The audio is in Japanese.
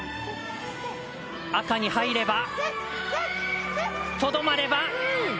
赤に入れば、とどまれば。